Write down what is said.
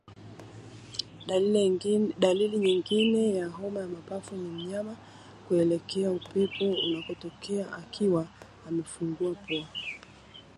Dalili ingine ya homa ya mapafu ni mnyama kuelekea upepo unakotokea akiwa amefungua pua